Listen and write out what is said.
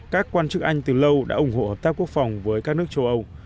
các quan chức anh từ lâu đã ủng hộ hợp tác quốc phòng với các nước châu âu